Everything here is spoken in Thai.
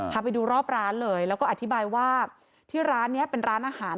พาไปดูรอบร้านเลยแล้วก็อธิบายว่าที่ร้านนี้เป็นร้านอาหาร